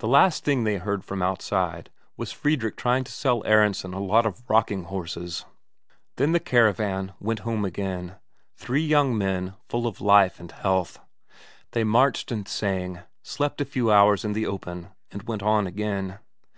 The last thing they heard from outside was Fredrik trying to sell Aronsen a lot of rocking horses. Then the caravan went home again three young men full of life and health. They marched and sang, slept a few hours in the open, and went on again.